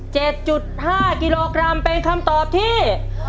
จุดห้ากิโลกรัมเป็นคำตอบที่